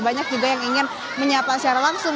banyak juga yang ingin menyapa secara langsung